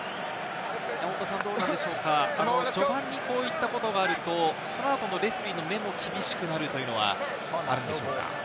序盤にこういったことがあるとサードのレフェリーの目も厳しくなるというのはあるんでしょうか？